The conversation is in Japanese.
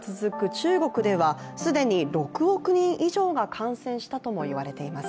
中国では既に６億人以上が感染したともいわれています。